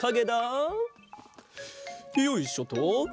よいしょっと。